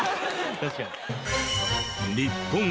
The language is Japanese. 確かに。